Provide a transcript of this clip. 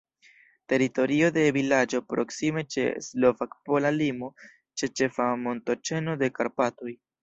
Teritorio de vilaĝo proksime ĉe slovak-pola limo, ĉe ĉefa montoĉeno de Karpatoj.